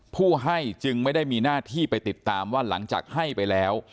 ผู้ให้จึงไม่ได้มีหน้าที่ไปติดตามว่าหลังจากให้ไปแล้ว